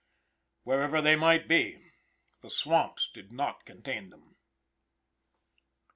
Wherever they might be, the swamps did not contain them.